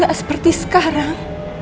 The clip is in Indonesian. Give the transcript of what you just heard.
gak seperti sekarang